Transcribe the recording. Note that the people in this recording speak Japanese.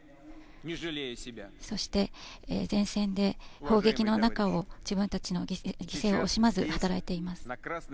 そして、前線で砲撃の中を自分たちの犠牲を惜しまず働いています。